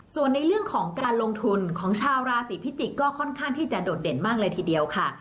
ส่วนในเรื่องของการลงทุนของชาวราศีพิจิกษ์ก็ค่อนข้างที่จะโดดเด่นมากเลยทีเดียวค่ะ